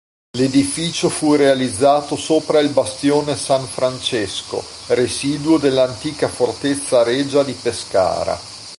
L'edificio fu realizzato sopra il bastione San Francesco, residuo dell'antica Fortezza Regia di Pescara.